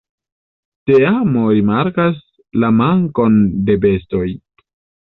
Teamo rimarkas la mankon de bestoj.